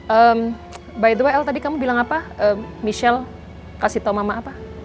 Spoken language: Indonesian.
eh by the way tadi kamu bilang apa michelle kasih tau mama apa